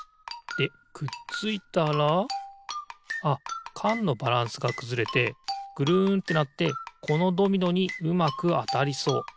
でくっついたらあっかんのバランスがくずれてぐるんってなってこのドミノにうまくあたりそう。